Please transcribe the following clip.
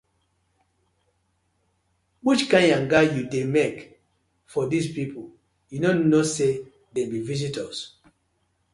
Which kind yanga you dey mek so for dis pipu, yu no kno say dem bi visitors?